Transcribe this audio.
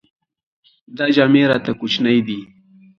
دا جامې راته کوچنۍ دي.